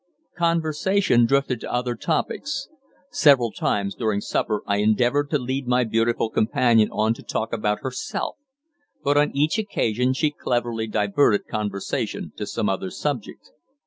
'" Conversation drifted to other topics. Several times during supper I endeavoured to lead my beautiful companion on to talk about herself, but on each occasion she cleverly diverted conversation to some other subject.